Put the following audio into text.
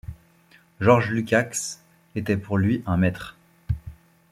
Georg Lukács était pour lui un maître.